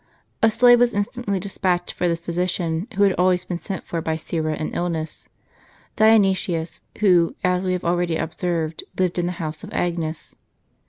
A slave was instantly despatched for the physician who had always been sent for by Syra in illness, Dionysius, wlio, as we have already observed, lived in the house of Agnes.